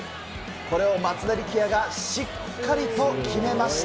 これを松田力也がしっかりと決めました。